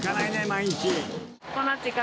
毎日。